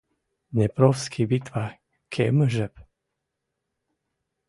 Днепровский битва кемӹ жеп.